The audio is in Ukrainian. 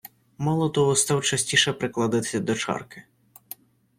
Мало того, став частіше прикладатися до чарки.